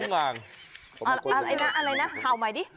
อะไรนะอะไรนะเห่าใหม่ดิ